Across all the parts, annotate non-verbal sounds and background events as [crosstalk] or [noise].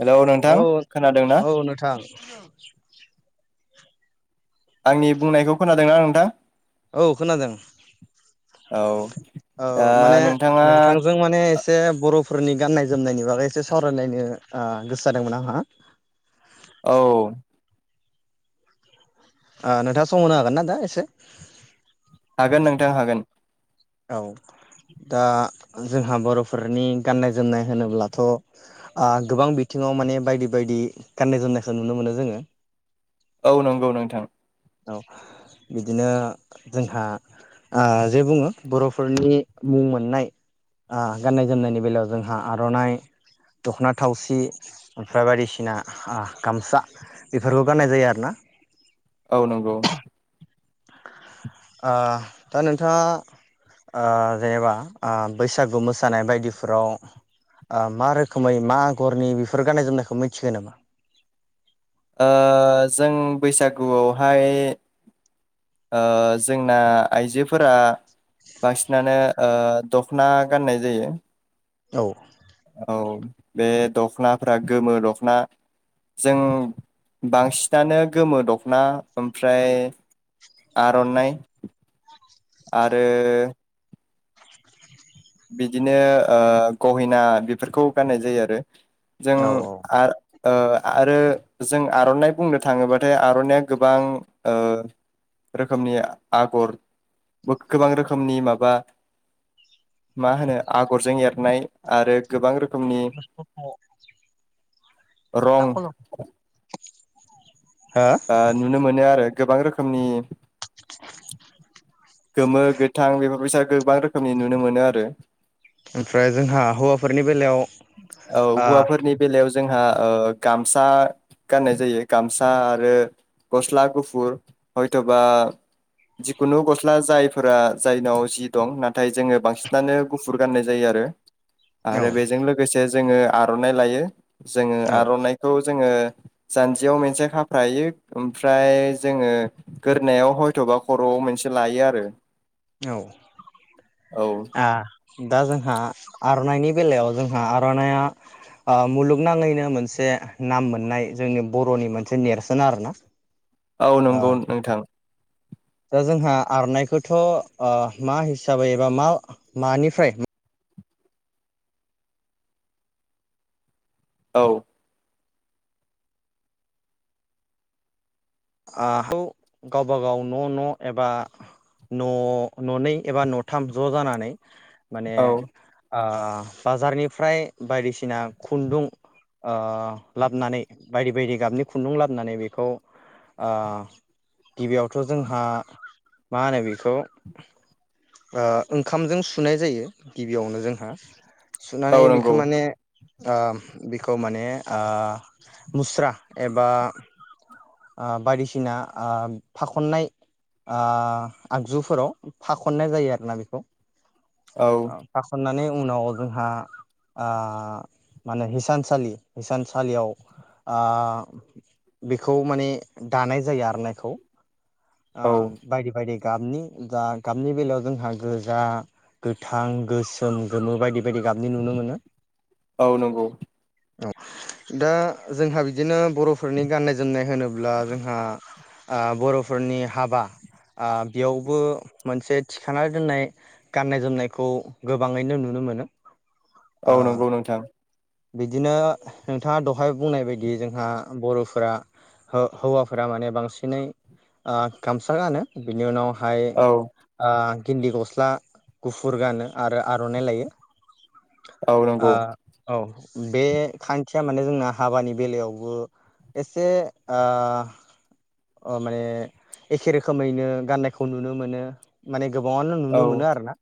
Hello नोंथां औ खोनादोंना औ नोंथां [unintelligible] आंनि बुंनायखौ खोनादोंनां नोंथां? औ खोनादों। औ औ दा माने नोंथाङा नोंथांजों माने एसे बर'फ फोरनि गाननाय जोमनायनि बागै एसे सावरायलायनो ओ गोसो जादोंमोन आंहा औ आ नोंथाङा सम होनो हागोन ना दा एसे? हागोन नोंथां हागोन। औ दा जोंहा बर'फोरनि गाननाय जोमनाय होनोब्लाथ' आ गोबां बिथिङाव माने बायदि-बायदि गाननाय जोमनायखौ नुनो मोनो जोङो। औ नंगौ नोंथां। औ बिदिनो जोंहा आ जे बुङो बर'फोरनि मुं मोननाय आ गाननाय जोमनायनि बेलायाव जोंहा आर'नाइ दख'ना थावसि ओमफ्राय बायदिसिना गामसा बेफोरखौ गाननाय जायो आरोना। औ नंगौ। आ दा नोंथाङा आ जेनेबा आ बैसागु मोसानाय बायदिफोराव आ मा रोखोमै मा आगरनि बेफोर गाननाय जोमनायखौ मिथियो नामा? ओ जों बैसागुआवहाय ओ जोंना आइजोफोरा बांसिनानो ओ दख'ना गाननाय जायो। औ। औ बे दख'नाफ्रा गोमो दख'ना जों बांसिनानो गोमो दख'ना ओमफ्राय आर'नाइ आरो बिदिनो ओ गहेना बेफोरखौ गाननाय जायो आरो जों औ आ ओ आरो जों आर'नाइ बुंनो थाङोबाथाय आर'नाइया गोबां ओ रोखोमनि आगर गोबां रोखोमनि माबा मा होनो आगरजों एरनाय आरो गोबां रो [unintelligible] रं हो आ नुनो मोनो आरो गोबां रोखोमनि गोमो गोथां बेफोरबायसा गोबां रोखोमनि नुनो मोनो आरो ओमफ्राय जोंहा हौवाफोरनि बेलायाव औ आ हौवाफोरनि बेलायाव जोंहा ओ गामसा गाननाय जायो गामसा ओ गस्ला गुफुर हयथ'बा जिखुनु गस्ला जायफोरा जायनाव जि दं नाथाय जोङो बांसिनानो गुफुर गाननाय जायो आरो ओ आरो बेजों लोगोसे जोङो आरनाइ लायो। जोङो औ आरनाइखौ जोङो जानजियाव मोनसे खा फ्रायो ओमफ्राय जोङो गोरनायाव हयथ'बा खर'आव मोनसे लायो आरो औ औ आ दा जोंहा आर'नाइनि बेलायाव जोंहा आर'नाइया मुलुगनाङैनो मोनसे नाम मोननाय जोंनि बर'नि मोनसे नेरसोन आरोना। औ ओ नंगौ नोंथां। दा जोंहा आर'नायखौथ' ओ मा हिसाबै एबा मा मानिफ्राय? औ ओ खौ गावबा गाव न' न' एबा न' न'नै एबा न'थाम ज' जानानै माने औ ओ बाजारनिफ्राय बायदिसिना खुन्दुं ओ लाबनानै बायदि बायदि गाबनि खुन्दुं लाबनानै बेखौ ओ गिबियावथ' जोंहा मा होनो बेखौ ओ ओंखामजों सुनाय जायो गिबियावनो जोंहा सुनानै नंगौ बिखो माने ओ बिखौ माने ओ मुस्रा एबा ओ बायदिसिना ओ फाखननाय आ आगजुफोराव फाखननाय जायो आरोना बेखौ। औ ओ फाखननानै उनाव जोंहा आ मा होनो हिसानसालि हिसानसालियाव ओ बे खौ माने दानाय जायो आर'नाइखौ। ओ औ बायदि बायदि गाबनि जा गाबनि बेलायाव जोंहा गोजा गोथां गोसोम गोमो बायदि। बेदि गाबनि नुनो मोनो। औ नंगौ औ दा जोंहा बिदिनो बर'फोरनि गाननाय जोमनाय होनोब्ला जोंहा बर'। फोरनि हाबा बेयावबो मोनसे थिखा दोननाय गाननाय जोमनायखौ गोबाङैनो नुनो मोनो। ओ औ नंगौ नोंथां। बिदिनो नोंथाङा दहाय बुंनाय बायदि जोंहा बर'फोरा हौवाफोरा माने बांसिनै ओ गामसा गानो बिनि उनाव। ओमफ्राय औ ओ गिन्दि गस्ला गुफुर गानो आरो आर'नाइ लायो। ओ नंगौ। औ बे खान्थिया माने जोंना हाबानि बेलायावबो एसे ओ माने एखे रोखोमैनो गाननायखौ नुनो मोनो माने। गोबाङानो नुनो औ मोनो आरो ना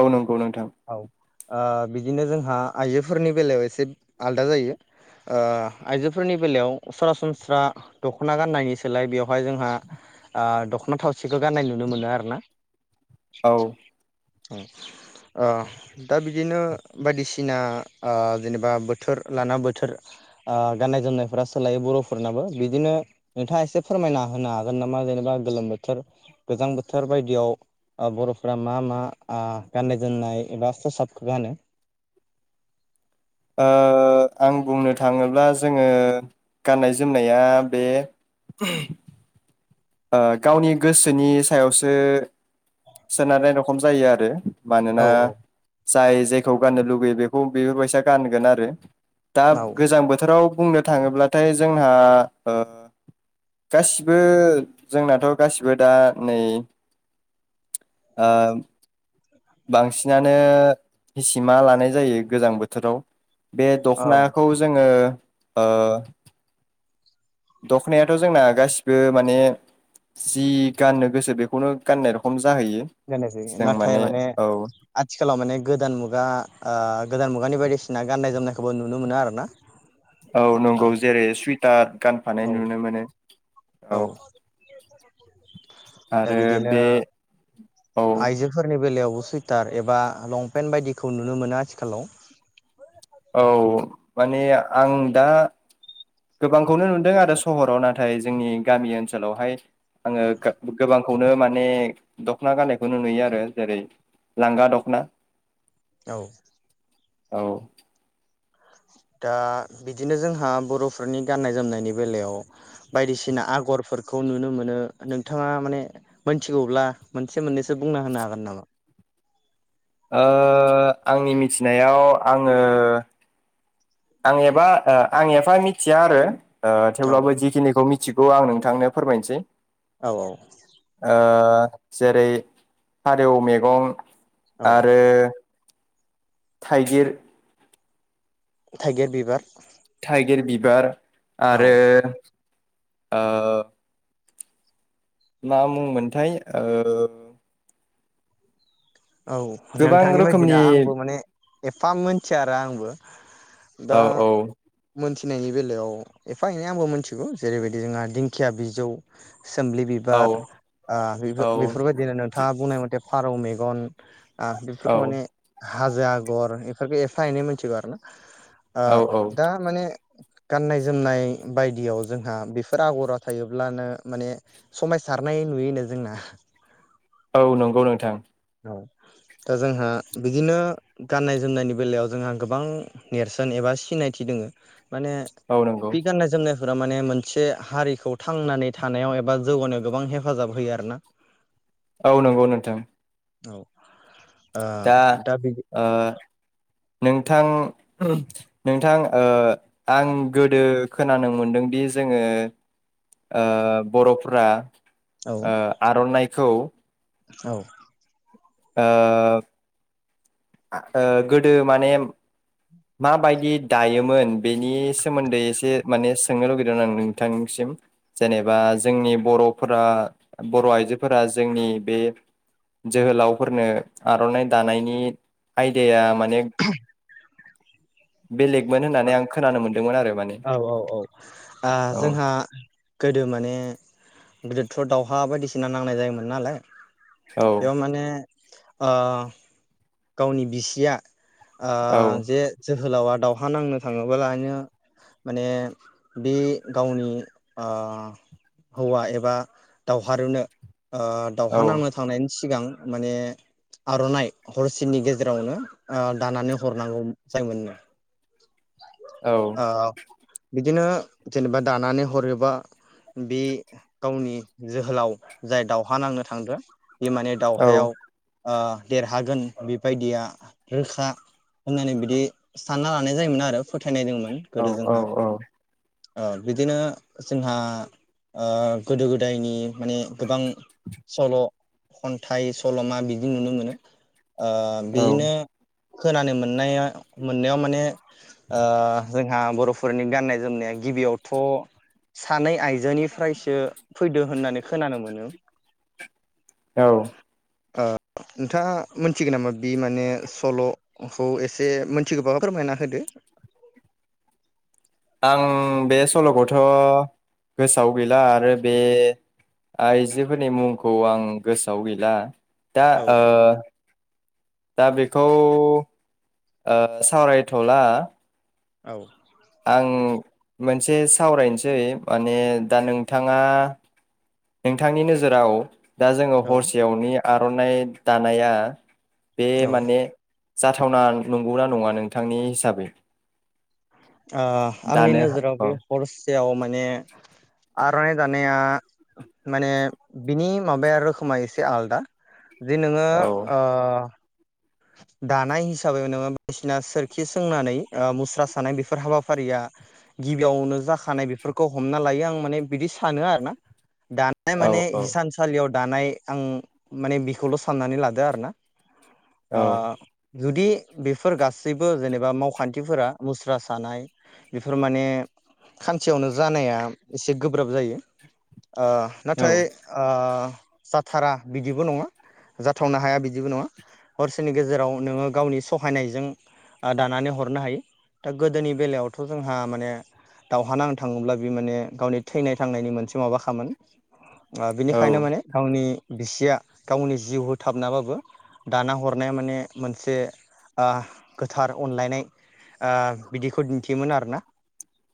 औ नंगौ नोंथां औ। ओ बिदिनो जोंहा आइजोफोरनि बेलायाव एसे आलदा जायो ओ आइजोफोरनि बेलायाव सरासनस्रा दखना गाननायनि सोलाय बेवहाय जोंहा ओ दखना थावसिखौ गाननाय नुनो मोनो आरोना। औ ओ दा बिदिनो बायदिसि सिना ओ जेनेबा बोथोर लाना बोथोर ओ गाननाय जोमनायफोरा सोलायो बर'फोरनाबो बिदिनो नोंथाङा एसे फोरमायना होनो हागोन नामा जेनेबा गोलोम बोथोर गोजां बोथोर बायदियाव ओ बर'फोरा मा मा आ गाननाय जोमनाय एबा खसाब गानो? ओ आं बुंनो थाङोब्ला जोङो गाननाय जोमनाया बे ओ गावनि गोसोनि सायावसो सोनारनाय रखम जायो आरो। औ मानोना औ जाय जायखौ गाननो लुुबैयो बेखौ बेफोरबायसा गानगोन आरो। दा औ गोजां बोथोराव बुंनो थाङोब्लाथाय जोंहा ओ गासिबो जोंनाथ' गासिबो दा नै ओ बांसिनानो हिसिमा लानाय जायो गोजां बोथोराव। बे औ दखनाखौ जोङो ओ दखनायाथ' जोंना गासिबो माने जि गाननो गोसो बेखौनो गाननाय रखम जा दोनोसै नाथाय माने आथिखालाव माने गोदान मुगा ओ गोदान मुगानि बायदि सिना गान्नाय जोमनायखौबो नुनो मोनो आरोना। औ नंगौ जेरै सुइट टार गानफानाय ओ नुनो मोनो औ दा आरो बे बिदिनो औ आइजोफोरनि बेलायावबो सुइटार एबा लंपेन्ट बायदिखौ नुनो मोनो आथिखालाव। औ माने आं दा गोबांखौनो नुदों आरो सहराव नाथाय जोंनि गामि ओनसोलावहाय आङो गा-गोबां खौनो माने दख'ना गाननायखौनो नुयो आरो जेरै लांगा दख'ना। औ। औ। दा बिदिनो जोंहा बर'फोरनि गाननाय जोमनायनि बेलायाव बायदिसिना आगरफोरखौ नुनो मोनो नोंथाङा माने मोनथिगौब्ला मोनसे मोननैसो बुंना होनो हागोन नामा? ओ आंनि मिथिनायाव आङो आं एबा ओ आं एफा मिथिया आरो। ओं औ थेवब्लाबो जिखिनिखौ मि मिथिगौ आं नोंथांनो फोरमायनोसै। औ ओ जेरै फारेव मेगं। औ आरो थाइगिर थाइगिर बिबार थाइगिर बिबार औ आरो ओ मा मुंमोनथाय ओ औ गोबां नोंथांनि बायदिनो रोखोमनि आंबो माने एफा मोनथिया आरो आंबो। दा औ औ मोनसे फिनायनि बेलायाव एफा एनै आंबो मिथिगौ जेरैबायदि जोंहा दिंखिया बिजौ। सोम्लि औ बिबार ओ औ बेफोरबायदिनो नोंथाङा बुंनाय मथे फारौ मेग गन ओ बेफोरखौ औ माने हाजो आगर इफोरखौ एफा एनै मोनथिगौ आरोना। ओ औ औ दा माने गाननाय जोमनाय बायदियाव जोंहा बेफोर आगरा थायोब्लानो माने समायसारनाय नुयोनो जोंना। औ नंगौ नोंथां। दा जोंहा बिदिनो गाननाय जोमनायनि बेलायाव जोंहा गोबां नेरसोन एबा सिनायथि दोङो। माने औ नंगौ बे गाननाय जोमनाय फोरा माने मोनसे हारिखौ थांनानै थानायाव एबा जौगानायाव गोबां हेफाजाब होयो आरोना। औ नंगौ नोंथां। औ। दा ओ नोंथां नोंथां ओ आं गोदो खोनानो मोनदोंदि जोङो ओ बर'फ्रा औ ओ आर'नाय खौ औ । ओ ओ गोदो माने मा बायदि दायो मोन बेनि सोमोन्दै एसे माने सोंनो लुबैदों आं नोंथांसिम जेनेबा जोंनि बरफोरा बर आइजोफोरा जोंनि बे जोहोलावफोरनो आरनाइ दानायनि आयदा मा [unintelligible] बेलेगमोन होननानै आं खोनानो मोनदोंमोन आरो माने औ औ औ आ औ जोंहा गोदो माने गिदिरफोर दावउहा बायदिसिना नांनाय जायोमोन नालाय औ बेव माने ओ गावनि बिसिया आ औ जे जों जोहोलावा दाव हा नांनो थाङोब्लानो माने बे गावनि ओ हौवा एबा दावहारुनो ओ दावहा नांनो थांनायनि सिगां माने आरनाइ हरसेनि गेजेरावनो ओ दानानै हरनांगौ जायोमोननो। औ बिदिनो जेनेबा दानानै हरोबा बे गावनि जोहोलाव जाय दावहा नांनो थांदों बे माने औ दावहायाव ओ देरहागोन बेबायदिया रोखा होननानै बिदि सानना लानाय जायोमोन आरो । फोथायनाय दोंंमोन औ गोदो जोंहा । ओ बिदिनो जोंहा ओ गोदो गोदायनि माने गोबां सल' खन्थाइ सल'मा बिदि नुनो मोनो। ओ औ बेनो खोनानो मोननाया मोननायाव माने ओ‌ जोंहा बरफोरनि गाननाय जोमनाया गिबियावथ' सानै आइजोनिफ्रायसो फैदो होननानै खोनानो मोनो। औ । ओ नोंथाङा मोनथिगौ नामा बि माने सल'खौ एसे मोनथिगोबा फोरमायना होदो। आं बे सलखौथ गोसोआव गैला आरो बे आइजोफोरनि मुंखौ आं गोसोआव गैला। दा औ ओ दा बे बेखौ ओ सावरायथला औ आं मोनसे सावरायनोसै माने दा नोंथाङा नोंथांनि नोजोराव दा जोङो औ हरसेयावनि आरनाइ दानाया बे औ ओ माने जाथावना नंगौना नङा नोंथांनि हिसाबै ओ आंनि दानो नोजोराव औ बे हरसेयाव माने आरनाइ दानाया माने बिनि माबाया रोखोमा एसे आलदा। जे नोङो औ ओ दानाय हिसाबै नोङो बायदिसिना सोरखि सोंनानै मुस्रा सानाय बेफोर हाबाफारिया गिबियावनो जाखानाय बेफोरखौ हमना लायो आं माने बिदि सानो आरो ना । दानाय औ माने औ हिसान सालियाव दानाय आं माने बिखौल साननानै लादो आरो ना। औ ओ जुदि बेफोर गासैबो जेनेबा मावखान्थिफोरा मुस्रा सानाय बेफोर माने खानसेयावनो जानाया एसे गोब्राब जायो। ओ औ नाथाय ओ जाथारा बिदिबो नङा जाथावनो हाया बिदिबो नङा। हरसेनि गेजेराव नोङो गावनि सहायनायजों दानानै हरनो हायो। दा गोदोनि बेलायावथ जोंहा माने दावहा नांनो थाङोब्ला बि माने गावनि थैनाय थांनायनि मोनसे माबाखामोन। औ बिनिखायनो माने गावनि बिसिया गावनि जिउ होथाबनाबाबो। दाना हरनाया माने मोनसे ओह गोथार अनलायनाय ओ बिदिखौ दिन्थियोमोन आरोना।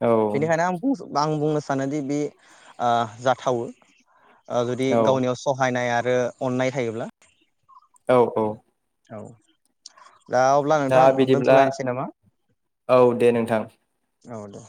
औ बेनिखायनो आं फंसे । आं बुंनो सानोदि बि ओ जाथावो। ओ जुदि औ गावनियाव सहायनाय आर आरो अननाय थायोब्ला। औ औ। औ। दा अब्ला दा नोंथां बिदिब्ला दोनथ'लायनोसै नामा? औ दे नोंथां। औ दं।